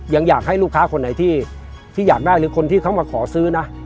ยังอยากให้ลูกค้าคนไหนที่อยากได้หรือคนที่เขามาขอซื้อนะ